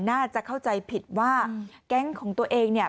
น่าจะเข้าใจผิดว่าแก๊งของตัวเองเนี่ย